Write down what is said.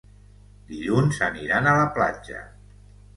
Dilluns aniran a la platja.